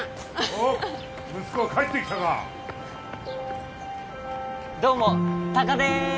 おっ息子帰ってきたかどうもタカです